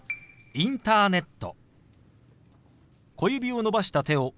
「インターネット」。